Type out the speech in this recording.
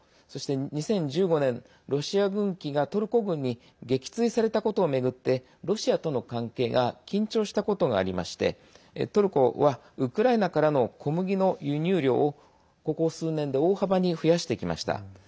そして、２０１５年ロシア軍機がトルコ軍に撃墜されたことを巡ってロシアとの関係が緊張したことがありましてトルコはウクライナからの小麦の輸入量をここ数年で大幅に増やしてきました。